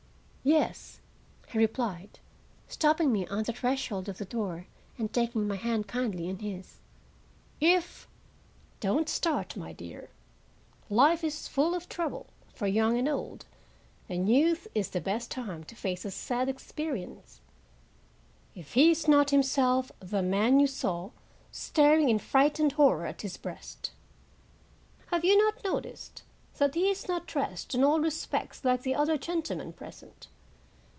"Yes," he replied, stopping me on the threshold of the door and taking my hand kindly in his, "if—(don't start, my dear; life is full of trouble for young and old, and youth is the best time to face a sad experience) if he is not himself the man you saw staring in frightened horror at his breast. Have you not noticed that he is not dressed in all respects like the other gentlemen present?